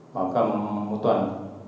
bảo cầm một tuần